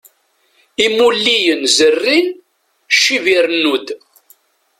Imulliyen zerrin, ccib irennu-d.